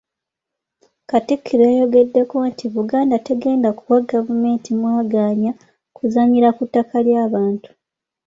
Katikkiro yayongeddeko nti Buganda tegenda kuwa gavumenti mwagaanya kuzannyira ku ttaka ly’abantu.